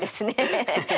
ハハハ。